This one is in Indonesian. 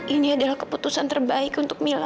ini adalah keputusan terbaik untuk mila